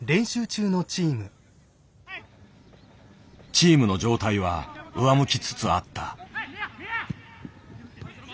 チームの状態は上向きつつあった。